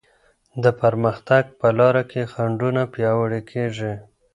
د پرمختګ په لاره کي خنډونه پیاوړې کيږي.